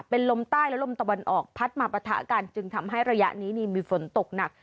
เป็นลมใต้และลมตะวันออกพัดมาปะทะกันจึงทำให้ระยะนี้มีฝนตกหนัก